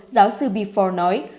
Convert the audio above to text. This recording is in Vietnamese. giáo sư biffle nói